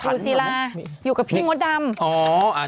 กู่ซีลาอยู่กับพี่มดดำ